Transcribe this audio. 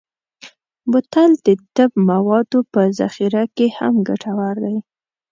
بوتل د طب موادو په ذخیره کې هم ګټور دی.